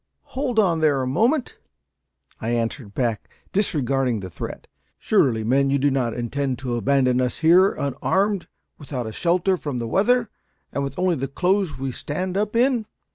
"Hold on there a moment," I answered back, disregarding the threat. "Surely, men, you do not intend to abandon us here, unarmed; without a shelter from the weather, and with only the clothes we stand up in?"